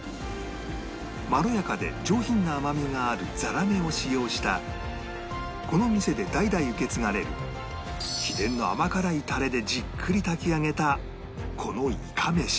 まろやかで上品な甘みがあるざらめを使用したこの店で代々受け継がれる秘伝の甘辛いタレでじっくり炊き上げたこのいかめし